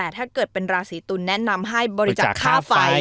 ถ้าเกิดเป็นราศีตุลแนะนำให้บริจักษ์ค่าไฟ